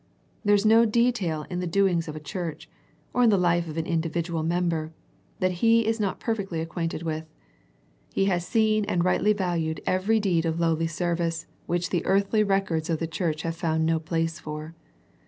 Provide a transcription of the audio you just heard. There is no detail in the do ings of a church, or in the life of an individual member, that He is not perfectly acquainted 24 A First Century Message with. He has seen and rightly valued every deed of lowly service which the earthly records of the Church have found no place for.